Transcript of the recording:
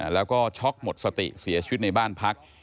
แล้วก็ช็อกหมดสติเสียชีวิตในบ้านพัก